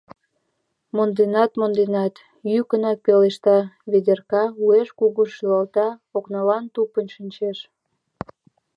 — Монденат, монденат... — йӱкынак пелешта Ведерка, уэш кугун шӱлалта, окналан тупынь шинчеш.